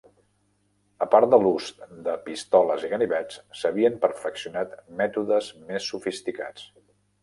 Apart de l"ús de pistoles i ganivets, s"havien perfeccionat mètodes més sofisticats.